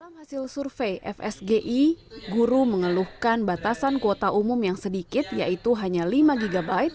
dalam hasil survei fsgi guru mengeluhkan batasan kuota umum yang sedikit yaitu hanya lima gb